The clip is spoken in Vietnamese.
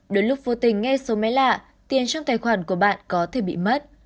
đôi lúc vô tình nghe số máy lạ tiền trong tài khoản của bạn có thể bị mất